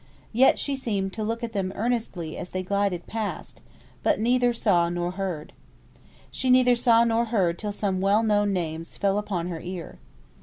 Yet she seemed to look at them earnestly as they glided past; but she neither saw nor heard. She neither saw nor heard till some well known names fell upon her ear.